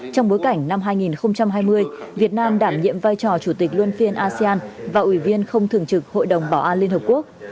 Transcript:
trong bối cảnh năm hai nghìn hai mươi việt nam đảm nhiệm vai trò chủ tịch luân phiên asean và ủy viên không thường trực hội đồng bảo an liên hợp quốc